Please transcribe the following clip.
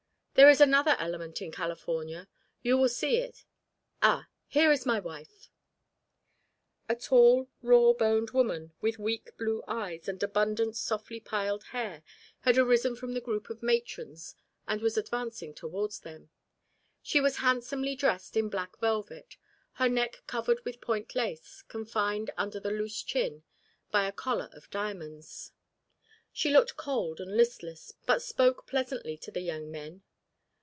There is another element in California. You will see it Ah! here is my wife." A tall raw boned woman with weak blue eyes and abundant softly piled hair had arisen from the group of matrons and was advancing toward them. She was handsomely dressed in black velvet, her neck covered with point lace confined under the loose chin by a collar of diamonds. She looked cold and listless, but spoke pleasantly to the young men.